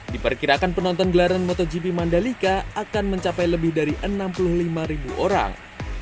diperkirakan penonton gelaran motogp mandalika akan mencapai lebih dari enam puluh lima ribu orang